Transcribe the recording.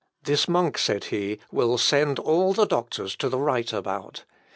"This monk," said he, "will send all the doctors to the right about.